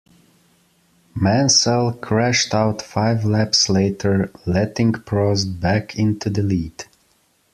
Mansell crashed out five laps later, letting Prost back into the lead.